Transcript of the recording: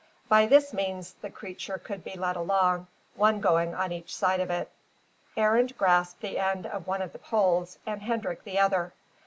By this means the creature could be led along, one going on each side of it. Arend grasped the end of one of the poles and Hendrik the other.